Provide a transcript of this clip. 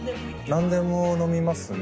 何でも飲みますね